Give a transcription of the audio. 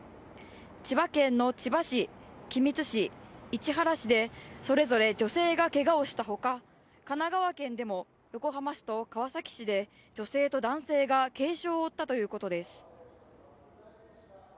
千葉県の千葉市、君津市市原市でそれぞれ女性がけがをしほか、神奈川県でも横浜市と川崎市で女性と男性が軽傷を負ったということです。